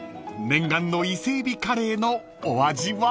念願の伊勢えびカレーのお味は？］